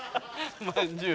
まんじゅう。